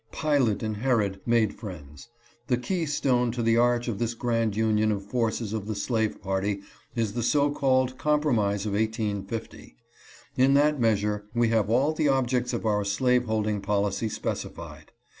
Pilate and Herod made friends. The key stone to the arch of this grand union of forces of the slave party is the so called Compromise of 1850. In that measure we have all the objects of our slaveholding policy specified.